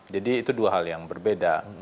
jadi itu dua hal yang berbeda